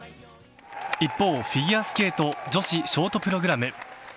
一方、フィギュアスケート女子ショートプログラム。